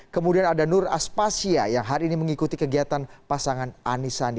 kemudian ada nur aspasya yang hari ini mengikuti kegiatan pasangan anisandi